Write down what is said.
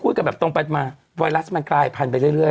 กันแบบตรงไปมาไวรัสมันกลายพันธุไปเรื่อย